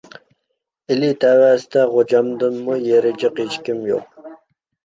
ئىلى تەۋەسىدە غوجامدىنمۇ يېرى جىق ھېچكىم يوق.